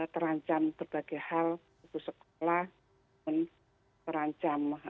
terancam berbagai hal putus sekolah terancam